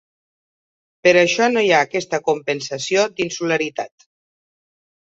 Per això no hi ha aquesta compensació d’insularitat.